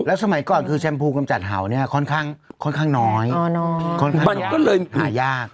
แล้วสมัยก่อนคือแชมพูกำจัดเห่านี้ค่อนข้างค่อนข้างน้อยอ๋อน้อยค่อนข้างหายากหายาก